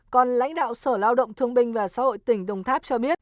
còn lãnh đạo sở lao động thương binh và xã hội tỉnh đồng tháp cho biết